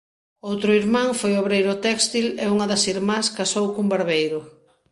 Outro irmán foi obreiro téxtil e unha das irmás casou cun barbeiro.